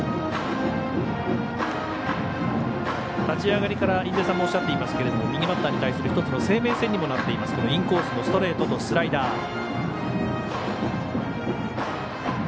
立ち上がりから印出さんもおっしゃってますけど右バッターに対する１つの生命線にもなっているこのインコースのストレートとスライダー。